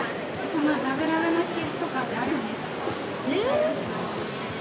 ラブラブの秘けつとかってあるんですか？